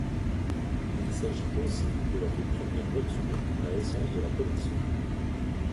Il s'agit aussi de la toute première voiture à essence de la collection.